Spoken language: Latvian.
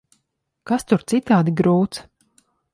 Kas tur citādi grūts?